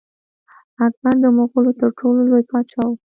اکبر د مغولو تر ټولو لوی پاچا و.